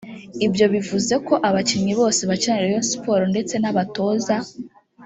Ibyo bivuze ko abakinnyi bose bakinira Rayon Sports ndetse n’abatoza